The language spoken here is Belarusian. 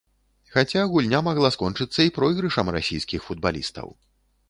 Хаця гульня магла скончыцца і пройгрышам расійскіх футбалістаў.